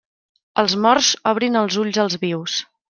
Els morts obrin els ulls als vius.